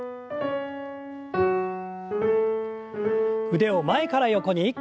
腕を前から横に。